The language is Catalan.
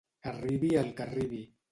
Arribi el que arribi.